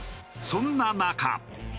そんな中。